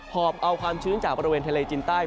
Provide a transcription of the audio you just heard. อบเอาความชื้นจากบริเวณทะเลจินใต้